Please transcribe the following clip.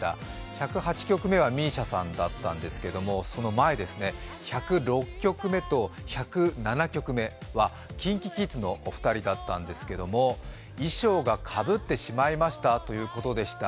１０８曲目はＭＩＳＩＡさんだったんですけれどもその前ですね、１０６曲と１０７曲目はＫｉｎＫｉＫｉｄｓのお二人だったんですけど衣装がかぶってしまいましたということでした。